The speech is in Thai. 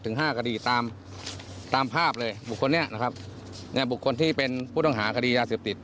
ถึง๕คดีตามภาพเลยบุคคลนี้นะครับบุคคลที่เป็นผู้ต่างหาคดียาเสียบติด